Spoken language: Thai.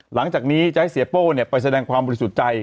หลังจากนี้จะให้เสียโป้ไปแสดงความบริสุทธิ์ใจ